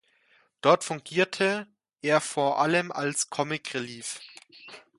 Dort fungierte er vor allem als Comic Relief.